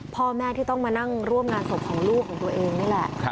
พ่อแม่ที่ต้องมานั่งร่วมงานศพของลูกของตัวเองนี่แหละ